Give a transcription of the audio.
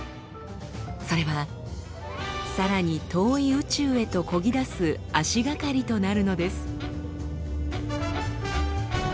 それはさらに遠い宇宙へと漕ぎ出す足がかりとなるのです。